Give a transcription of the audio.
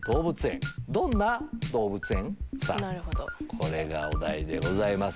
これがお題でございます。